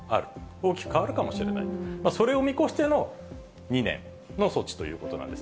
大きく変わるかもしれない、それを見越しての２年の措置ということなんです。